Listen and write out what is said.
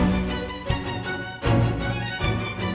d espicki ku lebih teging negara lancar